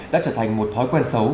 đã trở thành một thói quen xấu